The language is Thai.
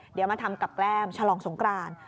เดี๋ยวมาทำกับแกล้มฉลองสงกราน